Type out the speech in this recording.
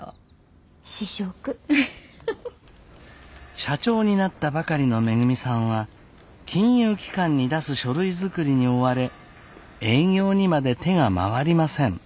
社長になったばかりのめぐみさんは金融機関に出す書類作りに追われ営業にまで手が回りません。